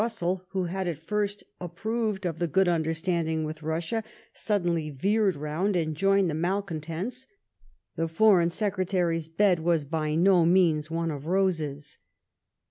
When Lord John Bassell, who had at first approved of the good nnderstanding with Russia, suddenly veered round and joined the malcontents, the Foreign Secre tary's hed was by no means one of roses.